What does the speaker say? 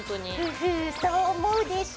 フフッそう思うでしょ。